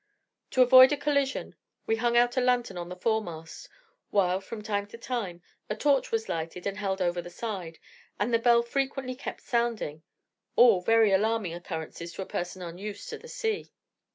To avoid a collision, we hung out a lantern on the foremast, while, from time to time, a torch was lighted, and held over the side, and the bell frequently kept sounding: all very alarming occurrences to a person unused to the sea.